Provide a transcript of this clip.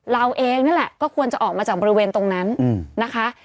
เราเองนั่นแหละก็ควรจะออกมาจากบริเวณตรงนั้นนะคะ